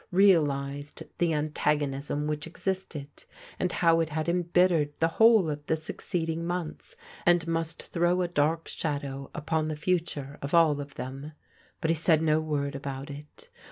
Real ized the antagonism whidi existed, and how it had em bittered the whole of the succeeding mootfis, and most dirow a dark shadow txpofa the fiitm« of all of tfiem. But he said no word about it.